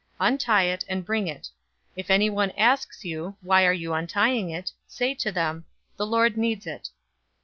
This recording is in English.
Untie it, and bring it. 019:031 If anyone asks you, 'Why are you untying it?' say to him: 'The Lord needs it.'"